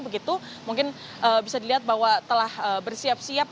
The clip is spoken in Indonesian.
begitu mungkin bisa dilihat bahwa telah bersiap siap